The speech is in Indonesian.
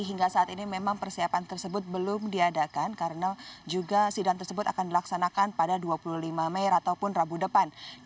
hingga saat ini memang persiapan tersebut belum diadakan karena juga sidang tersebut akan dilaksanakan pada dua puluh lima mei ataupun rabu depan